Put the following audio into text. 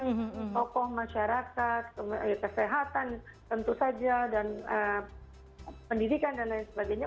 jadi libatkan tokoh masyarakat kesehatan tentu saja dan pendidikan dan lain sebagainya